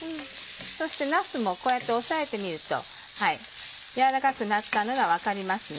そしてなすもこうやって押さえてみると軟らかくなったのが分かりますね。